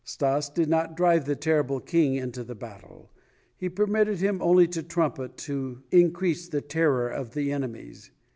Stas did not drive the terrible King into the battle; he permitted him only to trumpet to increase the terror of the enemies.